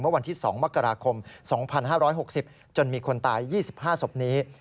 วันที่๒มกราคม๒๕๖๐จนมีคนตาย๒๕ศพนี้